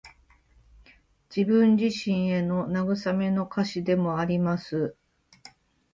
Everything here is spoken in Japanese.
自分自身への慰めの歌詞でもあります。